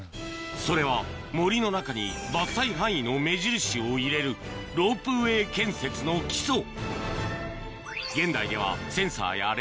それは森の中に伐採範囲の目印を入れるロープウエー建設の基礎